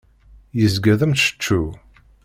Yezga d amceččew.